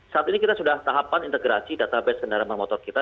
saat ini kita sudah tahapan integrasi database kendaraan bermotor kita